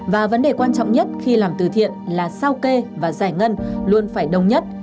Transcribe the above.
và vấn đề quan trọng nhất khi làm từ thiện là sao kê và giải ngân luôn phải đồng nhất